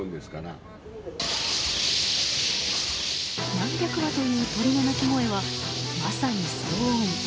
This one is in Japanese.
何百羽という鳥の鳴き声はまさに騒音。